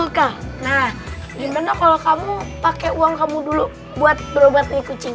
nah gimana kalau kamu pakai uang kamu dulu buat berobat nih kucing